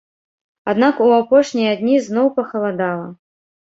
Аднак у апошнія дні зноў пахаладала.